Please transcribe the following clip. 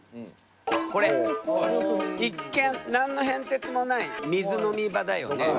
一見何の変哲もない水飲み場だよね。